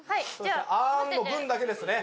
あんの分だけですね。